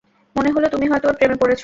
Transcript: মনে হল তুমি হয়তো ওর প্রেমে পড়েছ।